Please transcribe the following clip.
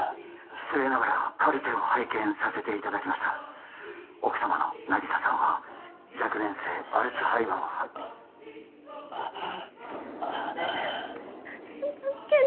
失礼ながらカルテを拝見させていただきました奥様の渚さんは若年性アルツハイマーをあっあっ健二！？